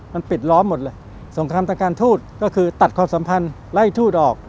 มันปิดล้อมหมดเลยสงครามทางการทูตก็คือตัดความสัมพันธ์ไล่ทูตออก